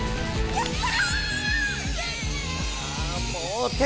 やった！